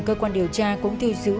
cơ quan điều tra cũng thiêu sử